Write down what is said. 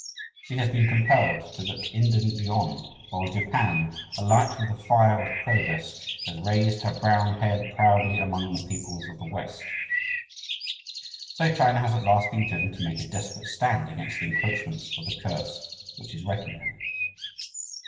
She has been compelled to look indolently on while Japan, alight with the fire of progress, has raised her brown head proudly among the peoples of the West. So China has at last been driven to make a desperate stand against the encroachments of the curse which is wrecking her.